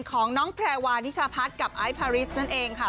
ของน้องแพรวานิชาพัฒน์กับไอซ์พาริสนั่นเองค่ะ